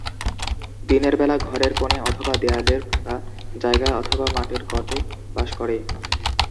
দিনের বেলা ঘরের কোনে অথবা দেয়ালের ফাঁকা জায়গা অথবা মাটির গর্তে বাস করে।